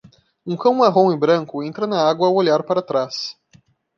Um cão marrom e branco entra na água ao olhar para trás.